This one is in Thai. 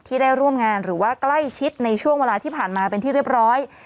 ได้ร่วมงานหรือว่าใกล้ชิดในช่วงเวลาที่ผ่านมาเป็นที่เรียบร้อย